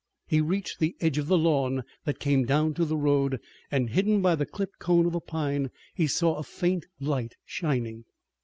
He reached the edge of the lawn that came down to the road, and hidden by the clipped cone of a pine he saw a faint light shining.